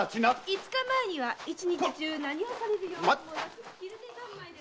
五日前には一日中何もされる様子もなく昼寝三昧。